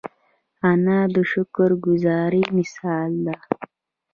انا د شکر ګذاري مثال ده